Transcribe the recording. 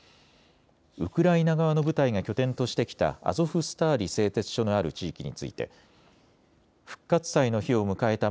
ウクライナ側の部隊が拠点としてきたアゾフスターリ製鉄所のある地域について復活祭の日を迎えた